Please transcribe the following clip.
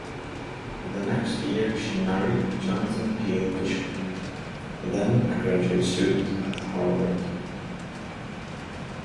The next year she married Jonathan Peale Bishop, then a graduate student at Harvard.